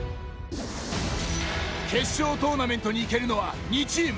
決勝トーナメントに行けるのは２チーム。